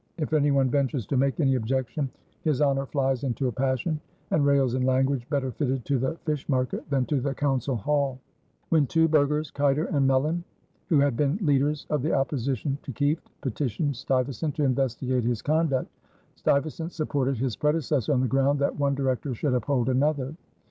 If any one ventures to make any objection, his Honor flies into a passion and rails in language better fitted to the fish market than to the council hall. When two burghers, Kuyter and Melyn, who had been leaders of the opposition to Kieft, petitioned Stuyvesant to investigate his conduct, Stuyvesant supported his predecessor on the ground that one Director should uphold another.